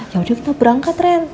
ya udah kita berangkat ren